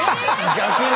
逆に？